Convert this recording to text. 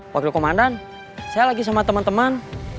wakil komandan saya lagi sama teman teman